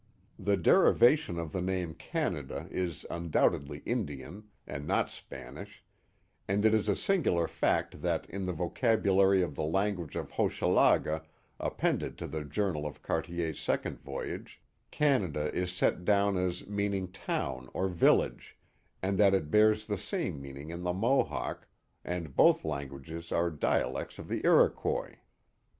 The derivation of the name Canada is un doubtedly Indian, and not Spanish, and it is a singular fact that in the vocabulary of the language of Hochelaga appended to the journal of Cartier's second voyage, Canada is set down as mean ing town or village, and that it bears the same meaning in the Mohawk, and both languages are dialects of the Iroquois.